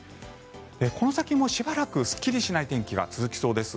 この先もしばらくすっきりしない天気が続きそうです。